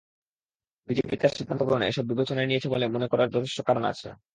BJP তার সিদ্ধান্ত গ্রহণে এসব বিবেচনায় নিয়েছে মনে করার যথেষ্ট কারণ আছে।